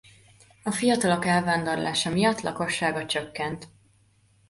A fiatalok elvándorlása miatt lakossága csökkent.